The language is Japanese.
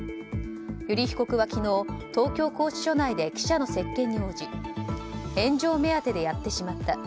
油利被告は昨日東京拘置所内で記者の接見に応じ炎上目当てでやってしまった。